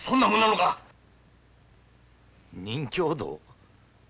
任侠道？